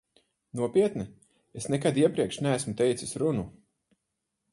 Nopietni, es nekad iepriekš neesmu teicis runu.